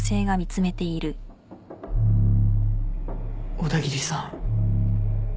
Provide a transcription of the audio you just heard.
小田切さん